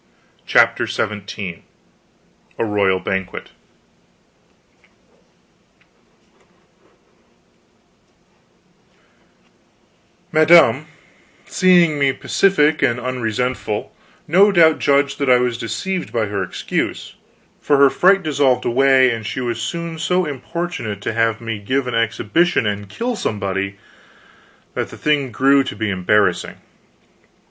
CHAPTER XVII A ROYAL BANQUET Madame, seeing me pacific and unresentful, no doubt judged that I was deceived by her excuse; for her fright dissolved away, and she was soon so importunate to have me give an exhibition and kill somebody, that the thing grew to be embarrassing.